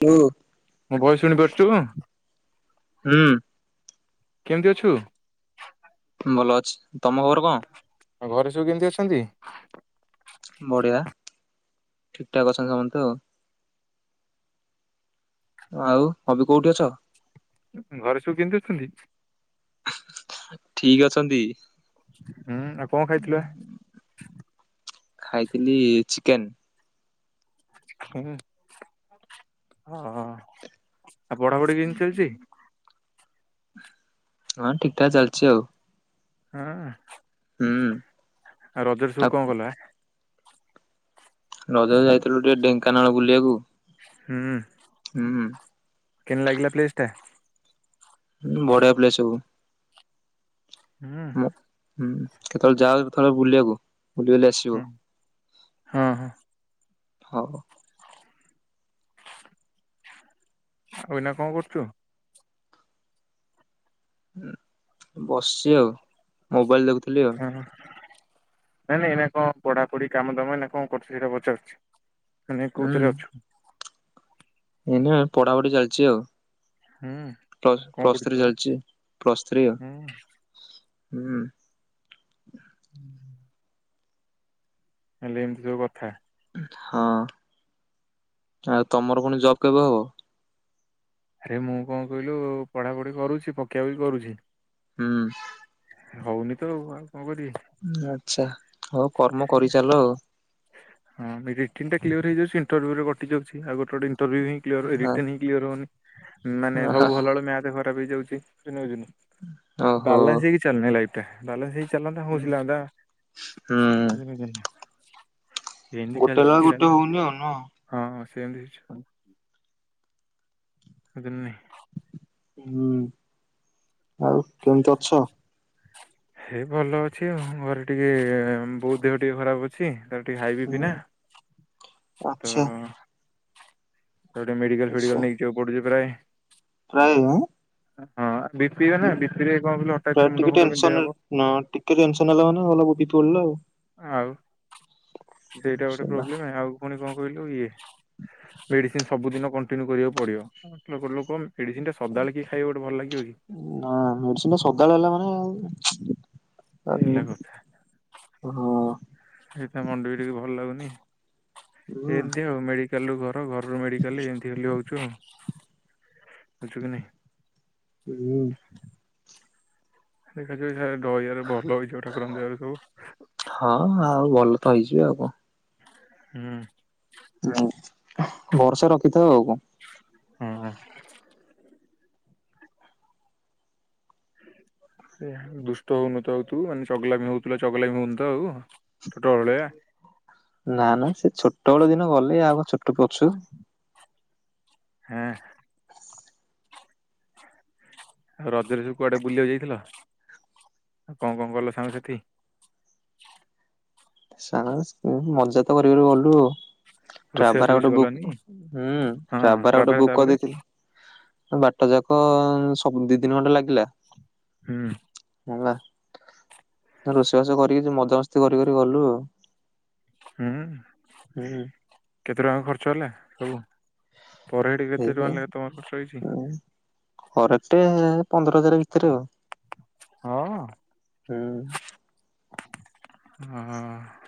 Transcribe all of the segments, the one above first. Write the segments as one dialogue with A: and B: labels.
A: ଘୁ [unintelligible]
B: ମୋ ଭଏସ ଶୁଣିପାରୁଚୁ କଣ?
A: ହୁଁ।
B: କେମିତି ଅଛୁ?
A: ମୁଁ ଭଲ ଅଛି। ତମ ଖବର କଣ?
B: ଆଉ ଘରେ ସବୁ କେମିତି ଅଛନ୍ତି?
A: ବଢିଆ ଠିକ୍ ଠାକ୍ ଅଛନ୍ତି ସମସ୍ତ ଆଉ। ଆଉ ଅବି କୋଉଠି ଅଛ?
B: ଘରେ ସବୁ କେମିତି ଅଛନ୍ତି?
A: ଠିକ୍ ଅଛନ୍ତି।
B: ହୁଁ ଆଉ କଣ ଖାଇଥିଲ?
A: [unintelligible] ଖାଇଥିଲି ଚିକେନ।
B: ହୁଁ ହଁ ଆଉ ପଢାପଢି କେମିତି ଚାଲିଚି?
A: ହଁ ଠିକ ଠାକ୍ ଚାଲିଚି ଆଉ।
B: ହୁଁ।
A: ହୁଁ।
B: ଆ ରଜରେ ସବୁ
A: ଆଉ
B: କଣ କଲ ଆଁ?
A: ରଜରେ ଯାଇଥିଲୁ ଟିକେ ଢେଙ୍କାନାଳ ବୁଲିବାକୁ।
B: ହୁଁ।
A: ହୁଁଉଁ।
B: କେମିତି ଲାଗିଲା ପ୍ଲେସଟା?
A: ହୁଁ ବଢିଆ ପ୍ଲେସ ସବୁ।
B: ହୁଁ।
A: ହୁଁ କେତେବେଳେ ଯା ଥରେ ବୁଲିବାକୁ ବୁଲିବାଲି ଆସିବ।
B: ହୁଁ ହଁ ହଁ
A: ହଉ।
B: ଆଉ ଏନା କଣ କରୁଛୁ?
A: ହଁ ବସିଛି ଆଉ ମୋବାଇଲ ଦେଖୁଥିଲି ଆଉ।
B: ହଁ ନାଇଁ ନାଇଁ ଏଇନା କଣ ପଢାପଢି କାମ ଦାମ ଏଇ କଣ କରୁଛ ସେଇଟା ପଚାରୁଛି? ମାନେ କୋଉଥିରେ ଅଛୁ?
A: ଏଇନେ ପଢାପଢି ଚାଲିଛି ଆଉ।
B: ହୁଁ
A: ପ୍ଲସ
B: କଣ
A: ପ୍ଲସ୍
B: ପଢୁଛୁ
A: ଥ୍ରୀ
B: ବା?
A: ଚାଲିଛି ପ୍ଲସ୍ ଥ୍ରୀ ଆଉ।
B: ହୁଁ
A: ହୁଁ।
B: ହେଲେ ଏମିତି ସବୁକଥା।
A: ହଁ, ଆଉ ତମର ପୁଣି ଜବ କେବେ ହବ?
B: ଆରେ ମୁଁ କଣ କହିଲୁ ପଢାପଢି କରୁଛି ପକେଇବାକୁ ବି କରୁଛି।
A: ହୁଁ।
B: ହଉନି ତ ଆଉ କଣ କରିବି?
A: ଆଚ୍ଛା ହଉ କର୍ମ କରିଚାଲ ଆଉ।
B: ହଁ ରିଟିନ୍ ଟା କ୍ଲିୟର ହେଇଯାଉଛି ସେ ଇଣ୍ଟରଭ୍ୟୁରେ କଟିଯାଉଛି ଆଉ ଗୋଟେ ଗୋଟେ ଇଣ୍ଟରଭ୍ୟୁ ହିଁ କ୍ଲିୟାର ଏ ରିଟିନ୍ ହିଁ କ୍ଲିୟର ହଉନି। ମାନେ ସବୁ ଭଲବେଳେ ମ୍ୟାଥ ଖରାପ ହେଇଯାଉଛି
A: ଓହୋ।
B: ବାଲାନ୍ସ ହେଇ ଚାଲୁନି ଲାଇଫଟା। ବାଲାନ୍ଶ୍ ହେଇ ଚାଲନ୍ତା ଖୁସି ଲାଗନ୍ତା।
A: ହୁଁ
B: ଏମିତି
A: ଗୋଟେ ହେଲା
B: ଚାଲିଛି
A: ବେଳକୁ ଗୋଟେ
B: ଗଲା
A: ହଉନି ଆଉ ନୁହଁ?
B: ହଁ ସେମିତି ହେଉଛି ଖାଲି। [unintelligible]
A: ହୁଁ ଆଉ କେମିତି ଅଛ?
B: ହେଇ ଭଲ ଅଛି ଆଉ ଘରେ ଟିକେ ବୋଉ ଦେହ ଟିକେ ଖରାପ ଅଛି। ଛି ତାର ଟିକେ ହାଇ ବି ପି ନା ତ
A: ଆଚ୍ଛା
B: ତାକୁ ଟିକେ ମେଡିକାଲ ଫେଡିକାଲ ନେଇକି ଯିବାକୁ ପଡୁଛି ପ୍ରାୟ।
A: ନାଇଁ ମ।
B: ହଁ ବି ପିରେ ନା ବି ପି ରେ କଣ କହିଲୁ ହଠାତ
A: ପ୍ରାୟ
B: କିନି
A: ଟିକେ
B: ମୁଣ୍ଡ ଫୁଣ୍ଡ
A: ଟେନସନ
B: ବିନ୍ଧେଇ ହବ।
A: ନା ଟିକେ ଟେନସନ ହେଲା ମାନେ ଭଲ [unintelligible] ପଡିଲେ ଆଉ।
B: ଆଉ ସେଇଟା ଗୋଟେ ପ୍ରୋବ୍ଲେମ ଆଉ ପୁଣି କଣ କହିଲୁ ଇଏ ମେଡିସିନ ସବୁଦିନ କଣ୍ଟିନ୍ୟୁ କରିବାକୁ ପଡିବ। ନକଲେ କଣ ମେଡ଼ିସିନଟା ସଦାବେଳ କିଏ ଖାଇବ ଗୋଟେ ଭଲ ଲାଗିବ କି।
A: ହଁ ମେଡିସିନ ଟା ସଦାବେଳେ ହେଲା ମାନେ
B: ଏଇ ହେଲା କଥା।
A: ହଁ।
B: ହେଇଥିପାଇଁ ମନ ଟିକେ ଟିକେ ଭଲ ଲାଗୁନି।
A: ହୁଁ।
B: ଏମିତି ଆଉ ମେଡି କାଲରୁ ଘର ଘରରୁ ମେଡ଼ିକାଲ ଏମିତି ଖାଲି ହୋଉଛୁ ଆଉ। ଜାଣିଚୁକି ନାହିଁ।
A: ହୁଁ।
B: ଦେଖାଯାଉ ଯା ଦୟାରେ ଭଲ ହେଇଯିବ ଠାକୁରଙ୍କ ଦୟାରୁ ସବୁ।
A: ହଁ ଆଉ ଭଲ ତ ହେଇଯିବେ ଆଉ କଣ।
B: ହୁଁ
A: ହଁ ଭରସା ରଖିଥାଅ ଆଉ କଣ।
B: ହଁ। ଦୁଷ୍ଟ ହଉନୁ ତ ଆଉ ତୁ ମାନେ ଚଗଲାମି ହୋଇଥିଲୁ ଚଗଲାମି ଆଉ ହଉନୁ ତ ଆଉ ଛୋଟ ଭଳିଆ?
A: ନା ନା ସେ ଛୋଟବେଳ ଦିନ ଗଲେ ଆଉ କଣ ଛୋଟ ଅଛୁ?
B: ହୁଁ। ଆଉ ରଜରେ ସବୁ କୁଆଡେ ବୁଲିବାକୁ ଯାଇଥିଲ ଆଉ କଣ କଣ କଲ ସାଙ୍ଗ ସାଥି?
A: ସାଙ୍ଗ ସା ମଜା ତ କରି କରି ଗଲୁ ଆଉ।
B: ରୋଷେଇବାସ
A: ଟ୍ରାବାରା
B: କିଛି
A: ଗୋଟେ
B: କଲନି
A: ବୁକ ହୁଁ
B: ହଁ
A: ଟ୍ରାବାରା ଗୋଟେ
B: ତାପରେ
A: ବୁକ୍
B: ତାପରେ
A: କରିଦେଇଥିଲୁ। ବାଟ ଯାକ ସ ଦିନି ଖଣ୍ଡେ ଲାଗିଲା।
B: ହୁଁ।
A: ହେଲା ରୋଷେଇବାସ କରିକିରି ମଜାମସ୍ତି କରିକରି ଗଲୁ ଆଉ।
B: ହୁଁ
A: ହୁଁ
B: କେତେ ଟଙ୍କା ଖର୍ଚ୍ଚ ହେଲା? ପରେ ହେଇଠି କେତେ ଟଙ୍କା
A: ସେଇ
B: ଲାଗେ ତମର ଖର୍ଚ ହେଇଛି?
A: ଫରଟେ ପନ୍ଦର ହଜାର ଭିତରେ ଆଉ।
B: ହଁ।
A: ହୁଁ।
B: ହଁ।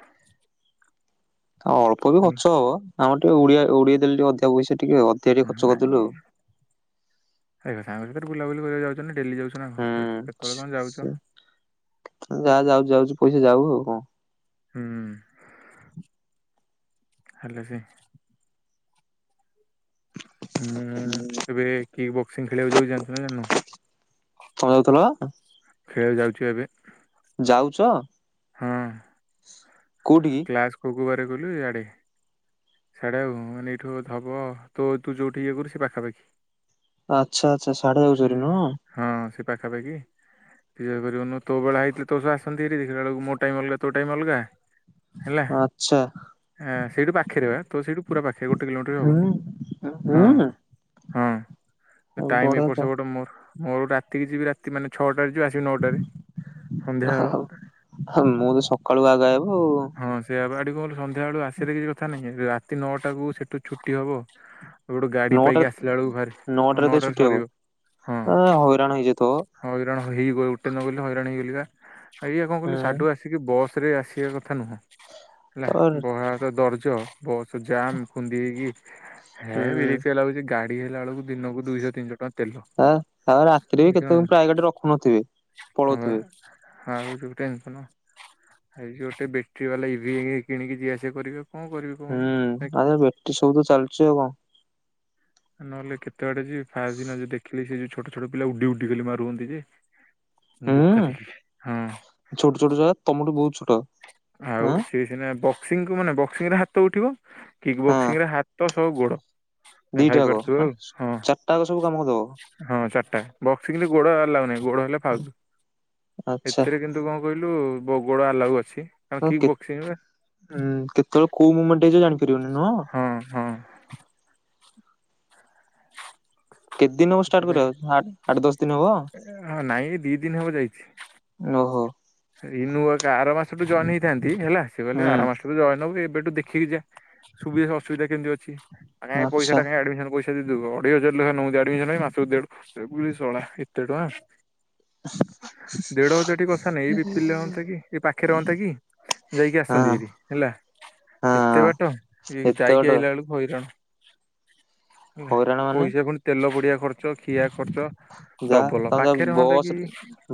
A: ଆଉ ଅଳ୍ପ ବି ଖର୍ଚ
B: ହଁ
A: ହବ ଆମର ଟିକେ ଓଡିଆ ଉଡେଇ ଦେଲେ ଟିକେ ଅଧିକା ପଇସା ଟିକେ ଟିକେ ଖର୍ଚ୍ଚ କରିଦେଲୁ
B: ନାଇଁ
A: ଆଉ।
B: ଆ ସାଙ୍ଗସାଥିରେ ବୁଲାବୁଲି କରିବା ଯାଉଛନ୍ତି ଡେଲି ଯାଉଛନ୍ତି। ଏଠୁ କେତେବେଳେ
A: ହୁଁ
B: କଣ ଯାଉଛ?
A: ଯାହା ଯାଉଛି ଯାଉଛି ପଇସା ଯାଉ ଆଉ କଣ?
B: ହୁଁ ହେଲେ ହେଇ ହୁଁ, ଏବେ କିଏ ବକ୍ସିଂ ଖେଳିବାକୁ ଯାଉଛି ଜାଣିଛୁ ନା ଜାଣିନୁ?
A: କଣ ଯାଉଥିଲ?
B: ଖେଳିବାକୁ ଯାଉଛୁ ଏବେ।
A: ଯାଉଛ?
B: ହଁ।
A: କୋଉଠିକି
B: କ୍ଲାସ କୋଉ କୋଉ ବାରେ କହିଲୁ ଇଆଡେ। ସେଢଟେ ଆଉ ମାନେ ଏଇଠୁ ହବ ତ ତୁ ଯୋଉଠି ଇଏ କରୁ ସେ ପାଖାପାଖି
A: ଆଚ୍ଛା ଆଚ୍ଛା ସାଢେ ଯାଉଛରି ନୁହଁ।
B: ହଁ ସେ ପାଖାପାଖି। ପୁଜା କରିବନୁ ତୋବେଳେ ହେଇଥିଲେ ତୋସ ଆସନ୍ତିି ଦେଖ ବଳକୁ ମୋ ଟାଇମ୍ ଅଲଗା ତୋ ଟାଇମ୍ ଅଲଗା। ହେଲା
A: ଆଚ୍ଛା।
B: ସେଇଠୁ ପାଖରେ ବା ତ ସେଇଠୁ ପୁରା ପାଖରେ ଗୋଟେ କିଲୋମିଟର
A: ହୁଁ
B: ହବନି। ହଁ
A: ହୁଁ
B: ହଁ
A: ଆଉ
B: ଟାଇମ
A: ବଢିଆ
B: ଏପଟ
A: ତ
B: ସେପଟ ଗୋଟେ ମୋର ମୋର ରାତିକି ଯିବି ରାତି ମାନେ ଛଅଟାରେ ଯିବ ଆସିବି ନଅଟାରେ ସନ୍ଧ୍ୟା ବେଳୁ
A: ମୁଁ ତ ସକାଳୁ ଆଗ ହେବ ଆଉ
B: ହଁ ସେ ଆଡ କହ ସନ୍ଧ୍ୟା ବେଳୁ ଆସିଲେ କିଛି କଥା ନାହିଁ ରାତି ନଅଟା କୁ ସେଠୁ ଛୁଟି ହବ। ଏ ଗୋଟେ ଗାଡି
A: ନଅଟା
B: ପାଇକି ଆସିଲା ବେଳକୁ ବାର ହଁ
A: ତ
B: ନଅଟାରେ
A: ଛୁଟି ହବ
B: ସରିବ ହଁ।
A: ଆ ହଇରାଣ ହେଇଯାଉଥିବ
B: ହଇରାଣ ହେଇଗ ଗୋଟେ ନଗଲେ ହଇରାଣ ହେଇଗଲି ବା ଆଉ ଏ କଣ
A: ହୁଁ
B: କହିଲୁ ସାଢୁ ଆସିକି ବସ ରେ ଆସିବା କଥା ନୁହଁ ହେଲା
A: ତାପରେ
B: ବହା ତ ଦରଜ ବସ୍ ଜାମ ଖୁନ୍ଦୀହେଇକି। ହେଁ
A: ହୁଁ
B: ବିରକ୍ତିଆ ଲାଗୁଛି ଗାଡି ହେଲା ବେଳକୁ ଦିନକୁ ଦିଇଶହ ତିନିଶହ ଟଙ୍କା। ତେଲ
A: ଆ ଆଉ ରାତିରେ ବି
B: ବୁଝିଲ
A: କେତେ
B: ନା।
A: ପ୍ରାୟ ଗାଡି ରଖୁନଥିବେ ପଳଉଥିବେ।
B: ହଁ ଏଇ ଯୋଉ ଟେନ୍ସନ ହେଇ ଯୋଉ ସେ ବ୍ୟାଟେରି ବାଲା ଇଭି କିଣିକି ଯିଆ ଆସିବା କରିବି ଆଉ କଣ କରିବି? କହୁନୁ।
A: ହୁଁ ଆ ବେଟେରି ସବୁ ତ ଚାଲିଚ ଆଉ କଣ?
B: ନହଲେ କେତେ ଆଡେ ଯିବି ଫାଷ୍ଟ ଦିନ ଯୋଉ ଦେଖିଲି ସେ ଯୋଉ ଛୋଟ ଛୋଟ ପିଲା ଉଡି ଉଡିିକଲି ମାରୁ ହନ୍ତି ଯେ ମୁଁ ବୋକା
A: ହୁଁ
B: ଥିଲି ହଁ।
A: ଛୋଟ ଛୋଟା ଯାଗା ତମଠୁ ବହୁତ ଛୋଟ।
B: ଆଉ
A: ଆଁ
B: ସିଏ ସ ବକ୍ସିଂକୁ ମାନେ ବକ୍ସିଂ ରେ ହାତ ଉଠିବ କିିକ
A: ହଁ
B: ବକ୍ସିଂ ରେ ହାତ ସହ ଗୋଡ। ଭାବି
A: ଦିଟା
B: ପାରୁଥିବ
A: ଯାକ
B: ଆଉ ହଁ
A: ଚାରିଟାଯାକ ସବୁ କାମକୁ ଦବ।
B: ହଁ ଚାରିଟା ବକ୍ସିଂରେ କିନ୍ତୁ ଗୋଡ ଆଲାଓ ଗୋଡ ହେଲେ ଫାଷ୍ଟ
A: ଆଚ୍ଛା
B: ଏଥିରେ କିନ୍ତୁ ତୁ କଣ କହିଲୁ ବଗଡ ଆଲଓ ଅଛି। କାରଣ
A: ହଁ
B: କିକ୍
A: କେ
B: ବକ୍ସିଂରେ
A: କେତେବେଳେ କୋଉ ମୁମେଣ୍ଟ ହେଇ ଜାଣିପାରିବନି ନୁହଁ।
B: ହଁ ହଁ।
A: କେତେ ଦିନ ହବ ଷ୍ଟାର୍ଟ
B: ସେଥିପାଇଁ
A: କରିବା ଆଠ ଦଶ ଦିନ ହବ?
B: ହଁ ନାଇଁ ଏଇ ଦି ଦିନ ହବ ଯାଇଛି।
A: ଓହୋ।
B: ଏଇ ନୂଆ ଆର ମାସଠୁ ଜଏନ୍ ହେଇଥାନ୍ତି ହେଲା ସେଏ କଲେ ଆର
A: ହୁଁ
B: ମାସୁ ଜଏନ ହବୁ ଏବେଠୁ ଦେଖିକି ଯା। ସୁବିଧା ଅସୁବିଧା କେମିତି ଅଛି କାଇଁ
A: ଆଚ୍ଛା
B: ପଇସାଟା ଆଡି ମସନ ପଇସା। ସେ ଅଢେଇ ହଜାର ଲେଖା ନଉ ଆଡମିନ ପାଇଁ ମାସକୁ ଶଳା ଏତେ ଟଙ୍କା ଦେଢ ହଜାର ଟିକ କଷା ନାଇ ଏଇ ହନ୍ତା କି ପାଖରେ ହୁଅନ୍ତା କି ଯାଇକି
A: ହଁ
B: ଆସନ୍ତି ହେରି ହେଲା ଏତେ
A: ହଁ
B: ବାଟ
A: ଏତେ ବାଟ
B: ଯାଇକି ଆଇଲା ବେଳକୁ ହଇରାଣ। ହେଲା
A: ହଇରାଣ ମାନେ
B: ପଇସା ପୁଣି ତେଲ ପଡ଼ିଆ ଖର୍ଚ୍ଚ ଖିଆ ଖର୍ଚ୍ଚ ଡବଲ ପାଖରେ ହଅନ୍ତାକି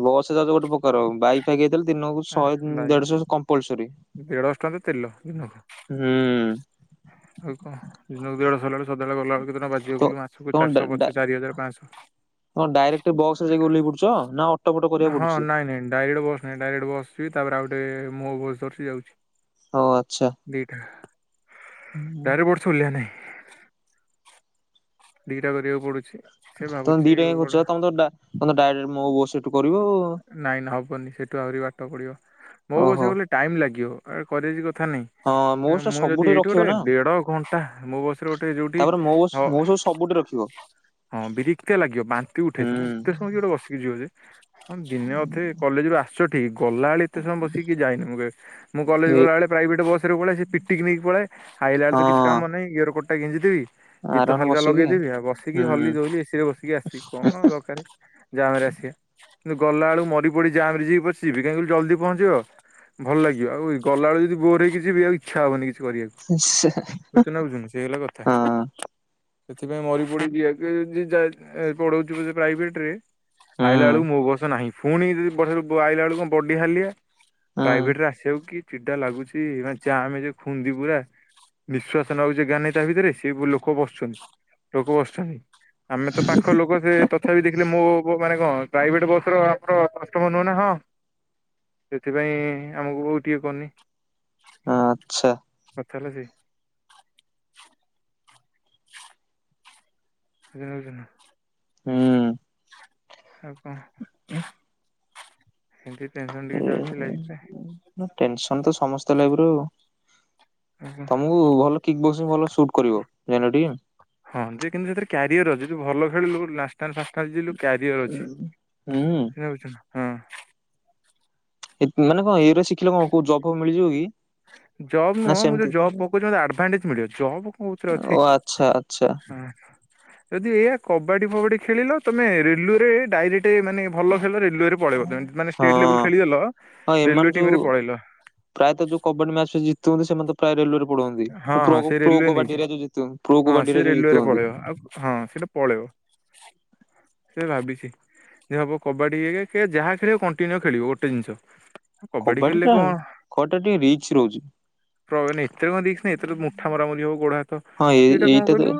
A: ବସ୍ ଯାଉ ଗୋଟେ ପ୍ରକାର ଆଉ ବାଇକ୍ ଫାଇକ ଯଇଥିଲେ ଦିନକୁ ଶହେ ଦେଢ ଶହ କମ୍ପଲସରି
B: ଦେଢଶ ଟଙ୍କା ତ ତେଲ ଦିନକୁ।
A: ହୁଁ
B: ଆଉ କଣ ଦିନକୁ ଦୁିଟ ସିଲ ବଳେ ସଦାବେଳେ ଗଲାବେଳେ ଆଣ
A: ତ
B: ବାଜିବକୁ କିଲୁ ମାସକୁ
A: ତମ ଡା
B: ଚାରିଶହ
A: ଡା
B: ପଚିଶ ଚାରି ହଜାର
A: ତମ ଡାଇରେକ୍ଟ ବସରେ ଯାଇକି ଓହ୍ଲେଇ ପଡୁଛ? ନା ଅଟୋ ଫଟୋ
B: ପାଞ୍ଚଶହ।
A: କରିବାକୁ
B: ହଁ
A: ପଡୁଛି
B: ନାଇଁ ନାଇଁ ଡାଇରେଟ ବସ ନା ଡାଇରେକ୍ଟ ବସ ଯିବି ତାପରେ ଆଉ ଟେ ମୁ ବସ୍ ଧରିକି ଯାଉଚି।
A: ହଉ ଆଚ୍ଛା।
B: ଦିଟା ଡାଇରେ ବଟସଲିଲ ନାହିଁ। ଦିଇଟା କରିବାକୁ ପଡୁ
A: ତମେ ଦିଟା କ କରୁଚ ତମ ତ ତମ ଡାଇଟ ମୋ ବସ ସେଇଠୁ କରିବ।
B: ନାଇଁ ନାଁ ହେବନି ସେଇଠୁ ଆହୁରି ବାଟ ପଢ଼ିବ ମୋ
A: ଓହୋ
B: ବସିବାକୁ ଗଲେ ଟାଇମ୍ ଲାଗିବ କରେଜ କଥା
A: ହଁ ମୋ
B: ନାହିଁ।
A: ବସ୍ ଟା
B: ମୁଁ
A: ସବୁଠି
B: ଯଦି ଏଇଠି
A: ରଖିବ
B: ଗୋଟେ
A: ନା
B: ଦେଢ ଘଣ୍ଟା ମୋ ବସରେ ଗୋଟେ ଯୋଉଠି
A: ତାପରେ ମୋ ବସ୍
B: ହ
A: ମୋ ବସ୍ [unintelligible]
B: ହଁ ବିରିତିଆ ଲାଗିବ ବାନ୍ତି
A: ହୁଁ
B: ଉଠେଇ ଦ ଅଟେ ସମୟ ଗୋଟେ ବସିବ କି ଯିବ ଯେ ହଁ ଦିନେ ଅଧେ କଲେଜ ବି ଆସଚ ଠିକ ଗଲାବେଳେ ଏତେ ସମୟ ବସିକି ଯାଇନି ମୁଁ କେବେ ମୁଁ କଲେଜ
A: ଏ
B: ଗଲା ବେଳେ ପ୍ରାଇଭେଟ ବସ ରେ ପଳେଇ ସେ ପିଟିକି ନେଇକି ପଳାଏ ଆଇଲା ବେଳେ କିଛି
A: ହଁ
B: କାମ ନାହିଁ ୟର ଟା ଗେଞ୍ଜି ଦେବି ଗୀତ
A: ଆରାମରେ
B: ହାଲକା
A: ବସିକି
B: ଲଗେଇଦେବି ଆଉ ବସିକି ହଲି
A: ହୁଁ।
B: ଧଲି ଏସିିରେ ବସିକି ଆସିବି କଣ ଆଉ ଦରକାରେ ଜାମ ରେ ଆସିବା କିନ୍ତୁ ଗଲା ବେଳକୁ ମରି ପଡି ଜାମ ରେ ଯକି ପଚିବି କାହିଁକି ନା ଜଲଦି ପଞ୍ଚିବ ଭଲ ଲାଗିବ ଆଉ ଗଲାବେଳେ ଯଦି ବୋର ହେଇକି ଯିବି ଆଉ ଇଚ୍ଛା ହବନି କିଛି କରିବାକୁ।
A: ହଁ
B: [unintelligible] ସିଏ ହେଲା କଥା। ସେଥିପାଇଁ ମରି ପଡି ଯିବା ପଢ଼ଉଚି ପଛେ ପ୍ରାଇଭେଟରେ
A: ହୁଁ
B: ଆଇଲା ବେଳକୁ ମୋ ବସ ନାହିଁ ପୁଣି ଯଦି ବ ଆଇଲା ବଳକୁ କଣ ବଡି ହଲିଆ
A: ହୁଁ
B: ପ୍ରାଇଭେଟ ରେ ଆସ ସେଉ କି ଚିଡା ଲାଗୁଚି ମାନେ ଚା ଆମେ ଜାମ ଯେ ଖୁନ୍ଦୀ ପୁରା ନିଶ୍ୱାସ ନବାକୁ ଜେଗା ନାହିଁ ତା ଭିତରେ ସେ ଲୋକ ବସୁଚନ୍ତି ଲୋକ ବସୁଚନ୍ତି। ଆମେ ତ ପାଖ ଲୋକ ସେ ତଥାପି ଦେଖିଲେ ମୋ ମାନେ କଣ ପ୍ରାଇଭେଟ ବସ ର ଆମର କଷ୍ଟମ ନୁହେ ନା ହଁ ସେଥିପାଇଁ ଆମକୁ କୋଉ ଟିକେ କନି।
A: ଆଚ୍ଛା।
B: [unintelligible] [unintelligible]
A: ହୁଁ।
B: ଆଉ କଣ ଏମତି ଟେନସନ ଟିକେ ଚାଲିଚି ଲାଇଫ ରେ।
A: ଟେନସନ ତ ସମସ୍ତେ ଲାଇଫ ରୁ ଆଉ।
B: [inaudible]
A: ତମକୁ ଭଲ କିିକ ବକ୍ସ ଭଲ ସୁଟ କରିବ ଜାଣିଲ ଟି।
B: ହଁ ଯେ କିନ୍ତୁ ସେଥିରେ କ୍ୟାରିଅର ଅ ଯଦି ଭଲ ଖେଳି ଲୁ ଲା [unintelligible] କ୍ୟାରିଅର
A: ହୁଁ
B: ଅଛି ହଁ
A: ମାନେ କଣ ଏଇରେ ଶିଖିଲେ କଣ କୋଉ ଜବ ଫପ ମିଳିଯିବ କି?
B: ଜବ୍
A: ନା
B: ନୁହଁ ମୁଁ ଯୋଉ
A: ସେମିତି
B: ଜବ୍ ପକଉଛି ମତେ ଆଡଭାଣ୍ଟେଜ ମିଳିବ ଜବ୍ କ କଉଥିରେ
A: ଓ
B: ଅଛି।
A: ଆଚ୍ଛା ଆଚ୍ଛା।
B: ହଁ ଯଦି ଏ କବାଡି ଫବାଡି ଖେଳିଲ ତମେ ରେଲରେ ଡାଇରେକ୍ଟ ମାନେ ଭଲ ଖେଳ ରେଲୱେରେ ପଳେଇବ ତେ ମାନେ
A: ହଁ
B: ଷ୍ଟେଟ୍ ଲେବୁଲ୍ ଖେଳିଦଲ ରେଲୱେ ମ ରେ ପଳେଇଲ।
A: ପ୍ରାୟତ ଯୋଉ କବାଡି ମ୍ୟାଚ ଜିତନ୍ତି ସେମାନେ ତ ପ୍ରାୟ ରେଲ୍ୱେ
B: ହଁ
A: ପଢନ୍ତି
B: ହଁ ସେ
A: ପ୍ରୋ ପ୍ରୋ
B: ରେଲୱେ ନେଇଯାଏ
A: କବାଡି ରେ ଉଜ
B: ହଁ ସେ
A: କବାଡି ରେ ଯୋଉ
B: ରେଲୱେରେ
A: ଜିତନ୍ତି।
B: ପଳେଇବ ଆଉ ହଁ ସେଟା ପଳେଇବ ସେ ଭାବିଛି। ହବ କବାଡି ଇ ଯାହା ଖେଳିବ କଣ୍ଟିନ୍ୟୁ ଖେଳିବ ଗୋଟେ ଜିନିଷ। କବାଡି ଖେଳିଲେ
A: କବାଡିଟା
B: କଣ
A: ଖଟା ଟିକେ ରିଚ ରହୁଛି।
B: ପ୍ର ଏତରେ କଣ ଦେଇଖଛି ନା ଏତରେ ମୁଠା ମରାମରି ହବ ଗୋଡ ହାତ
A: ହଁ
B: ଦିଇଟା କଣ କହିଲୁ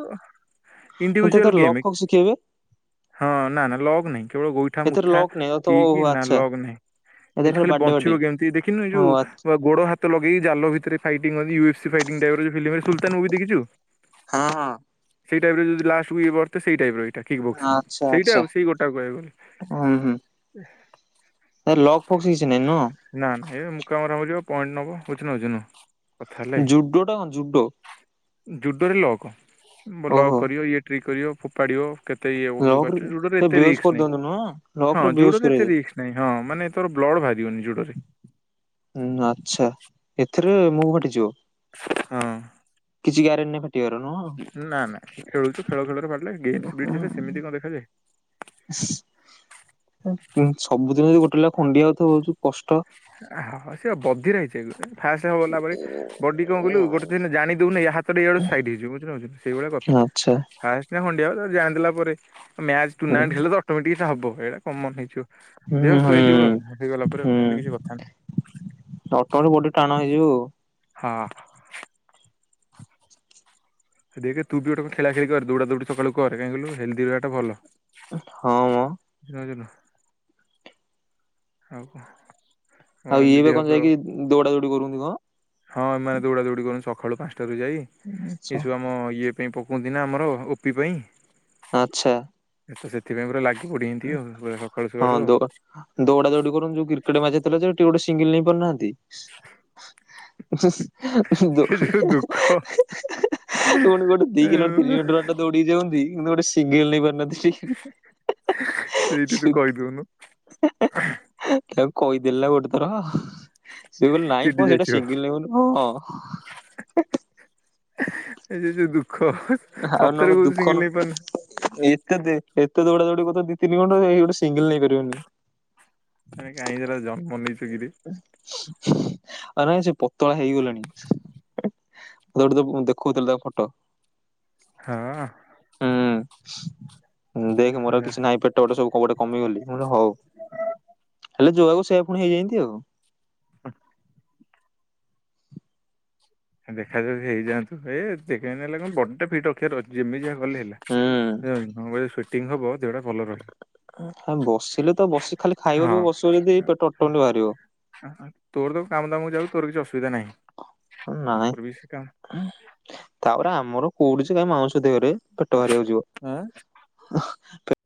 A: ମୋତେ
B: ଇଣ୍ଡିଭିଜୁଆଲ
A: ତ
B: ଗେମ୍
A: ଲକ୍ଷ ପକ୍ ଶିଖେଇବେ?
B: ହଁ ନା ନା ଲଗ ନାହିଁ କେବଳ ଗୋଇଠା
A: ଏଥର
B: ମୁଠା
A: ଲକ୍ ନାଇଁ ତ ଓହୋ
B: ପିଇକି ନା
A: ଆଚ୍ଛା
B: ଲଗ ନାହିଁ।
A: ଏଥର
B: ଏଠୁ ଖାଲି
A: ବାଡେ
B: ବଞ୍ଚିବ
A: ବାଡି
B: କେମିତି ଦେଖିନୁ ଏଇ
A: ଓ ଆ
B: ଯୋଉ ଗୋଡ଼ ହାତ ଲଗେଇ ଜାଲ ଭିତରେ fighting U F C typing ର ଜଉ ଫିଲ୍ମ ହୁଏ ସୁଲତାନ ମୁଭି ଦେଖିଛୁ?
A: ହଁ
B: ସେଇ ଟାଇପ ର ଯଦି ଲାଷ୍ଟକୁ ଏ ବତେ ସେଇ ଟାଇପ ଏଇଟା। କିକ ବକ୍ସିଂ
A: ଆଚ୍ଛା
B: ସେଇଟା
A: ଆଚ୍ଛା
B: ଆଉ ସେଇ ଗୋଟା କହିବାକୁ ଗଲେ।
A: ସେ ଲଗ ଫଗ ଶିଛି ନାଇଁ ନୁହ।
B: ନା ନା ଏବେ ମୁଁକା ମରା ମାରି ହବ ପଏଣ୍ଟ ନବ ବୁଝୁଣୁ ନୁ।
A: ଜୁଡୋ ଟା କଁ ଜୁଡ଼ୋ?
B: ଜୁଡୋରେ ଲକ ଲକ୍
A: ଓହୋ
B: କରିବ ଇଏ ଟ୍ରି କରିବ ଫୋପାଡିବ। କେତେ ଇଏ
A: ଲକ୍ ରେ
B: ବାରୁଛ ଜୁଡରେ
A: ସେ
B: ଏତେ
A: ବେହୋସ୍
B: ରିକ୍ସ ନାଇଁ
A: କରିଦିଅନ୍ତି ନୁହଁ ଲକ୍
B: ହଁ
A: ରେ ବେହୋସ୍
B: ଜୁଡରେ ଏତେ
A: କରେଇବେ
B: ରିକ୍ସ ନାଇଁ ହଁ ମାନେ ତୋର ବ୍ଲଡ଼ ବାହାରିବନି ଜୋଡ଼ରେ।
A: ହୁଁ ଆଚ୍ଛା ଏଥିରେ ମୁଭ ଉଟିଯିବ।
B: ହଁ
A: କିଛି ଗ୍ୟାରେଣ୍ଟି ନା [unintelligible]
B: ନା ନା ଖେଳୁ ଖେଳ ଖେଳରେ ଫାଟିଲେ ଗେମ୍ ସେଟା ସେମିତି କଣ ଦେଖାଯାଏ।
A: ସବୁଦିନ ଯ ଗୋଟେ ଲେଖା ଖଣ୍ଡିଆ ହଉଥିବ ଜଉ କଷ୍ଟ
B: ଆହୋ ସେଏ ବଧିର ହେଇଛି ଫାସ୍ ହବଲା ପରେ ବଡି କଣ କିଲୁ ଗୋଟେ ଦିନ ଜାଣିଦେବୁନା ଏଇଆଡ ସାଇଡ୍ ହେଇଯିବୁ ସେଭଳି କଥା।
A: ଆଚ୍ଛା
B: ଫାଷ୍ଟ ନା ଖ ଯାଣି ଦେଲା ପରେ ମ୍ୟାଚ୍
A: ହୁଁ
B: ଟୁର୍ଣ୍ଣାମେଣ୍ଟ ହେଲେ ତ ଅଟୋମେଟିକ ହବ ଏଇଟା କମନ ହେଇଯିବ। ଦେହ
A: ହୁଁ
B: ଶୁଆଇଯିବ ହେଇଗଲାପରେ ଏମିତି କିଛି କଥା ନାହିଁ।
A: ଅଟଠୁ ବଢି ଟାଣ ହେଇଯିବ।
B: ହଁ ଦେଖେ ତୁ ବି ଗୋଟେ ଖେଳା ଖେଳି କରେ ଦୌଡା ଦୌଡି ସକାଳୁ କରେ କାହିଁ କିଲୁ ହେଲଦି ରହିବା ଟା ଭଲ।
A: ହଁ ମ
B: ବୁଝିଲୁ। [unintelligible]
A: ଆଉ
B: ଏମିତି
A: ଇଏବା
B: ଦେହ
A: କଣ
B: ଫେହ
A: ଯାଇକି ଦୌଡା ଦୌଡି କରୁନ୍ତି କଣ।
B: ହଁ ଏ ମାନେ ଦୌଡା ଦୌଡ଼ି କରୁନୁ ସକାଳୁ ପାଞ୍ଚଟାରୁ ଯାଇ
A: ଆଚ୍ଛା।
B: ଏସବୁ ଆମ ଇଏ। ନାଇଁ ପକଉନ୍ତି ନା ଆମର ଓପି ପାଇଁ।
A: ଆଚ୍ଛା।
B: ଏ ତ ସେଥିପାଇଁ ପୁରା ଲାଗି ପଡି ଏତି ଆଉ ପୁରା ସକାଳୁ
A: ହଁ
B: ସକାଳୁ ଆଉ।
A: ଦୌ ଦୌଡା ଦୌଡି କରି ଯୋଉ କ୍ରିକେଟ ମ୍ୟାଚ ଥିଲା ଯେ ଗୋଟେ ସିଙ୍ଗିଲି ନେଇ ପାରୁନାହାନ୍ତି। ଅଶେଷ।
B: ସେ ଯୋଉ ଦୁଃଖ
A: [inaudible] ଗୋଟେ ଦି କିଲୋମିଟର ତିନି
B: ଆଉ
A: କିଲୋମିଟର ବାଟ। ଦୌଡି ଯାଉଚନ୍ତି କିନ୍ତୁ ଗୋଟେ ସିଙ୍ଗିଲି ନେଇପାରୁନାହାନ୍ତି।
B: ସେଇଠି ତୁ କହିଦଉନୁ।
A: [inaudible] ତାକୁ କହିଦେଲି ନା ଗୋଟେ ଥର। ସେ ବୋଲି ନାଇଁ
B: ଚିଡି
A: ପୁଅ ହେଇଟା
B: ଯାଇଥିବ
A: ସିଙ୍ଗିଲି ନେଲି ବୋଲି ହଁ।
B: ଏ ଯ ଯୋଉ ଦୁଃଖ ସତରେ କୋଉଛି ସିଙ୍ଗିଲି ନେଇ ପାରୁନି।
A: ଏଇତ ଦେ ଏତେ ଦୌଡା ଦୌଡି କରୁଥିଲ ଦି, ତିନି ଘଣ୍ଟା ଏଇ ଗୋଟେ ସିଙ୍ଗିଲି ନେଇ ପାରିବନି।
B: ସେଟା କାହିଁହେରା ଜନ୍ମ ନେଇଛ କିରେ।
A: ଆଉ ନାଇଁ ସେ ପତଳା ହେଇଗଲେଣି। ଦୌଡ଼ି ଦୋ ଦେଖଉଥିଲେ ତା ଫଟୋ।
B: ହଁ।
A: ହଁ ଦେଖେ ମୋର ଆଉ କିଛି
B: ଏ
A: ନାଇଁ ପେଟ। ଗୋଟେ ସବୁ କୋଉ ବାଟେ କମିଗଲି ହଉ ହେଲେ ଯୋଆକୁ ସେଇୟା ପୁଣି ହେଇଯାଇଛି ଆଉ।
B: ହୁଁ। ଦେଖା ଦେଖି ହେଇଯାନ୍ତୁ ଏ ଏତେ କାଇଁ ନହେଲେ କଣ ବଡି ଟା ଫିଟ ରଖିବାର ଅଛି ଏମିତି ଆଉ। ଖୋଲି ହେଲା
A: ହୁଁ
B: କେଜାଣି ତମ ଭଳି ଫିଟିଙ୍ଗି ହବ ଦେହଟା ଭଲ ରହିଲା।
A: ବସିଲେ ତ ବସି ଖାଲି ଖାଇବ, ପିଇବ, ବସିବ ଯଦି
B: ହଁ
A: ପେଟ ଟୋଟାଲ ବାହାରିବ।
B: ତୋର ତ କାମ ଦାମକୁ ଯାଉଛୁ ତୋର କିଛି ଅସୁବିଧା ନାହିଁ
A: ନାଇଁ
B: ମୋର ବେଶି କାମ।
A: ତାପରେ ଆମର କୋଉଠି କାହିଁ ମାଉଁସ ଦେହରେ ପେଟ ବାହାରିବାକୁ
B: ଆଁ
A: ଯିବ। ହଁ ପେ।